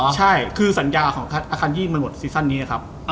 ใช่คือสัญญาของอาคารยี่มันหมดซีซั่นนี้นะครับ